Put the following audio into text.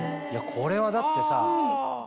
これはだってさ。